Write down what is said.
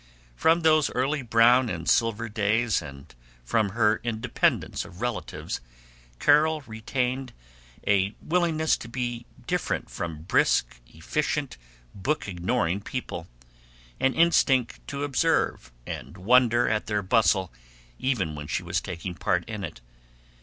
From those early brown and silver days and from her independence of relatives Carol retained a willingness to be different from brisk efficient book ignoring people; an instinct to observe and wonder at their bustle even when she was taking part in it.